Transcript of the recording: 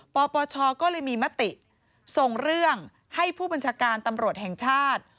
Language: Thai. ปปชก็เลยมีมติส่งเรื่องให้ผู้บัญชาการตำรวจแห่งชาติ